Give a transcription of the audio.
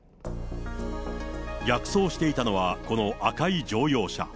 逆走していたのはこの赤い乗用車。